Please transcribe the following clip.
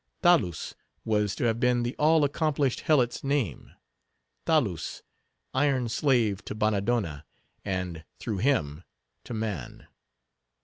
Talus was to have been the all accomplished Helot's name. Talus, iron slave to Bannadonna, and, through him, to man.